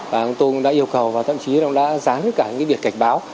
và ông tôn đã yêu cầu và thậm chí ông đã dán cả những việc cảnh báo